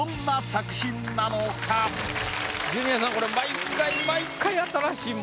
ジュニアさんこれ毎回毎回新しいものをね